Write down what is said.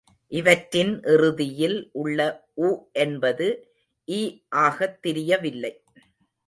இவற்றின் இறுதியில் உள்ள உ என்பது இ ஆகத் திரியவில்லை.